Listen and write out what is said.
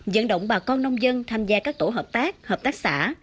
dẫn động bà con nông dân tham gia các tổ hợp tác hợp tác xã